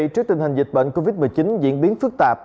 trước tình hình dịch bệnh covid một mươi chín diễn biến phức tạp